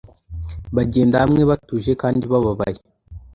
Bagenda hamwe batuje kandi bababaye